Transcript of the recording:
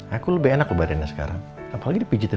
aku bikinin deh kalau gitu